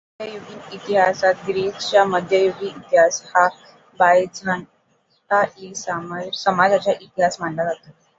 मध्ययुगीन इतिहास ग्रीसचा मध्ययुगीन इतिहास हा बायझंटाईन साम्राज्याचा इतिहास मानला जातो.